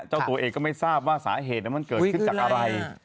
เจ้าตัวเองก็ไม่ทราบว่าสาเหตุนั้นมันเกิดขึ้นจากอะไร